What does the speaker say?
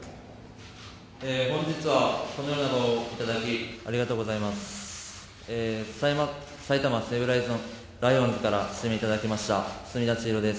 本日はこのような場をいただき、ありがとうございます。